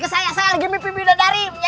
saya lagi memimpin bidadari